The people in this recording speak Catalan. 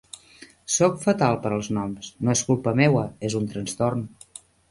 Soc fatal per als noms. No és culpa meua, és un transtorn.